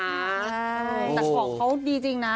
แต่ของเขาดีจริงนะ